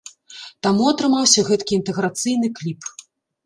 Таму атрымаўся гэткі інтэграцыйны кліп.